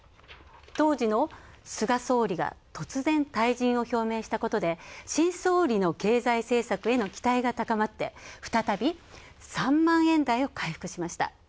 当時の菅総理が突然、退陣を表明したことで、新総理の経済政策の期待が高まって、再び、３万円台を回復しました。